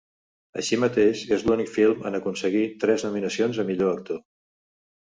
Així mateix és l'únic film en aconseguir tres nominacions a millor actor.